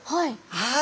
はい。